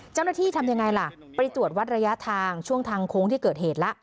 เจ้าหน้าที่ทำยังไงล่ะไปตรวจวัดระยะทางช่วงทางโค้งที่เกิดเหตุล่ะ